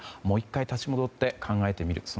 もう１回立ち戻って考えてみる